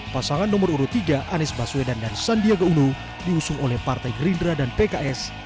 pasangan nomor urut tiga anies baswedan dan sandiaga uno diusung oleh partai gerindra dan pks